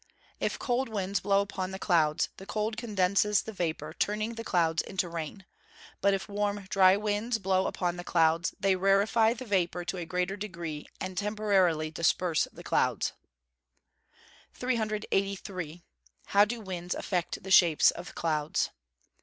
_ If cold winds blow upon the clouds, the cold condenses the vapour, turning the clouds into rain. But if warm dry winds blow upon the clouds, they rarefy the vapour to a greater degree, and temporarily disperse the clouds. 383. _How do winds affect the shapes of clouds?